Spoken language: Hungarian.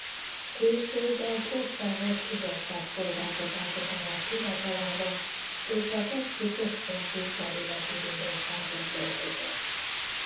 Később az Országos Igazságszolgáltatási Tanács Hivatalában és a Pesti Központi Kerületi Bíróságon dolgozott.